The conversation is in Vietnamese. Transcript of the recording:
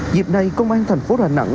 dịp này công an thành phố đà nẵng